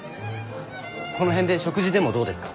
この辺で食事でもどうですか？